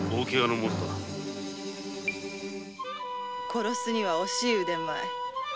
殺すには惜しい腕前。